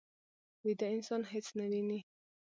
ویده انسان هېڅ نه ویني